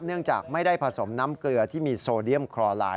เนื่องจากไม่ได้ผสมน้ำเกลือที่มีโซเดียมคลอไลน์